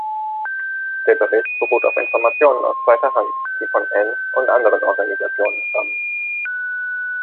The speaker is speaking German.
Der Bericht beruht auf Informationen aus zweiter Hand, die von N- und anderen Organisationen stammen.